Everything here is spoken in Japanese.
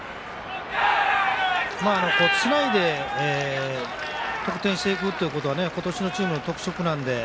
つないで得点していくということは今年のチームの特色なんで。